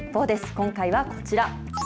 今回はこちら。